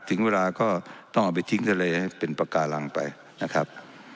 ถึงเวลาก็ต้องเอาไปทิ้งซะเลยให้เป็นปากการังไปนะครับ